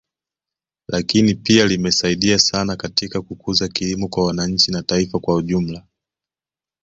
Lakini pia limesaidia sana katika kukuza kilimo kwa wananchi na taifa kwa ujumla